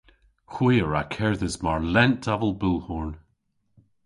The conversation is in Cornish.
Hwi a wra kerdhes mar lent avel bulhorn.